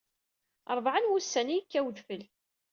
Rebɛa n wussan i yekka udfel.